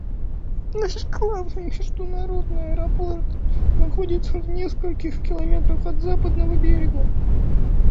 Наш главный международный аэропорт находится в нескольких километрах от Западного берега.